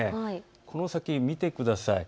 この先、見てください。